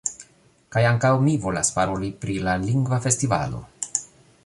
Kaj ankaŭ mi volas paroli pri la lingva festivalo.